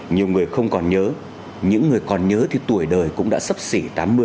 nhiều người không còn nhớ những người còn nhớ thì tuổi đời cũng đã sấp xỉ tám mươi